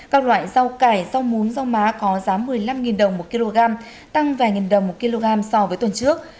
các loại rau cải rau mún rau má có giá một mươi năm đồng một kg tăng vài đồng một kg so với tuần trước